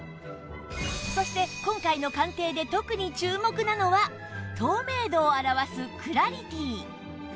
そして今回の鑑定で特に注目なのは透明度を表すクラリティ